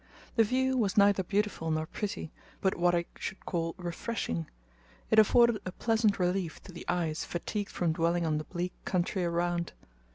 The view was neither beautiful nor pretty, but what I should call refreshing; it afforded a pleasant relief to the eyes fatigued from dwelling on the bleak country around.